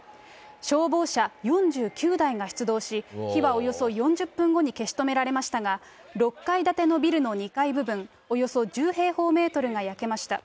消防車４９台が出動し、火はおよそ４０分後に消し止められましたが、６階建てのビルの２階部分、およそ１０平方メートルが焼けました。